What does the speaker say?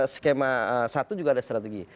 skema satu juga ada strategi